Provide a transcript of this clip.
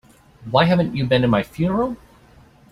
Why haven't you been to my funeral?